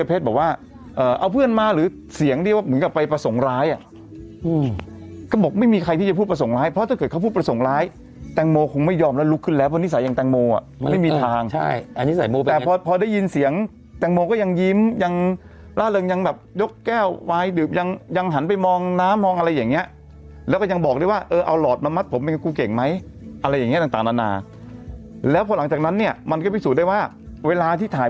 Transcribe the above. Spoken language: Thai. ขึ้นแล้วพอนิสัยอย่างแตงโมอ่ะไม่มีทางใช่อันนี้ใส่โมไปแต่พอพอได้ยินเสียงแตงโมก็ยังยิ้มยังล่าเริงยังแบบยกแก้ววายดืบยังยังหันไปมองน้ำมองอะไรอย่างเงี้ยแล้วก็ยังบอกได้ว่าเออเอาหลอดมามัดผมเป็นคนกูเก่งไหมอะไรอย่างเงี้ยต่างต่างนานาแล้วพอหลังจากนั้นเนี้ยมันก็พิสูจน์ได้ว่าเวลาที่ถ